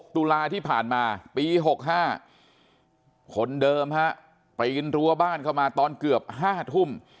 ๑๖ตุลาที่ผ่านมาวันปี๖๕คนเดิมครับไปกินรั้วบ้านเข้ามาตอนเกือบ๕ธุ่ม